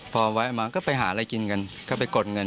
พอแวะมาก็ไปหาอะไรกินกันก็ไปกดเงิน